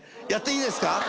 やっていいですか？